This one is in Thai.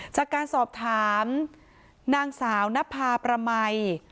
จากการสอบถามนางสาวนภาประมัย